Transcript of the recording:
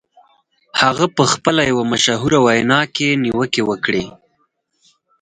هغه په خپله یوه مشهوره وینا کې نیوکې وکړې